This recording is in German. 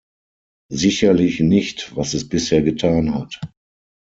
Sicherlich nicht, was es bisher getan hat.